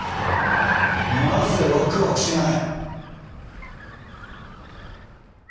なぜワクワクしない。